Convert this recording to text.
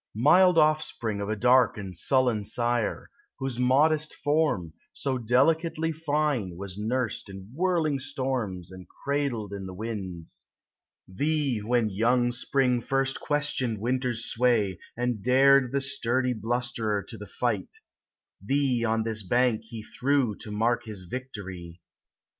Mild offspring of a dark and sullen sire, Whose modest form, so delicately fine, Was nursed in whirling storms And cradled in the winds; Thee, when young Spring firsl questioned Win ter's sway, And dared the sturdy blusterer to the fight, Thee on this bank he threw To mark his victory.